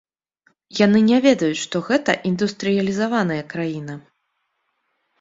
Яны не ведаюць, што гэта індустрыялізаваная краіна.